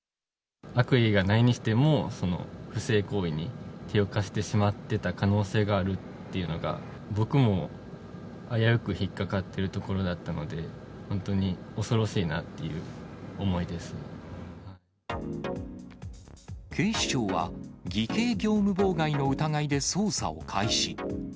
悪意がないにしても、その不正行為に手を貸してしまっていた可能性があるというのが、僕も危うく引っ掛かっているところだったので、本当に恐ろしいな警視庁は、偽計業務妨害の疑いで捜査を開始。